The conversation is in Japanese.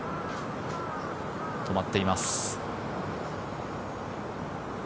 止まっています。